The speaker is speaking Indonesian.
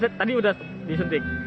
tapi tadi udah disuntik